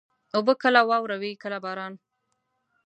اوبه کله واوره وي، کله باران.